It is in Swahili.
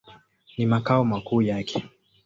Ni makao makuu yake.